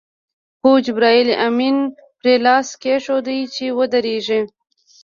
خو جبرائیل امین پرې لاس کېښود چې ودرېږي.